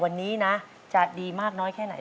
วันนี้นะจะดีมากน้อยแค่ไหน